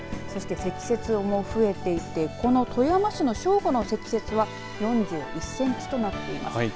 そして積雪も増えていて富山市の正午の積雪は４１センチとなっています。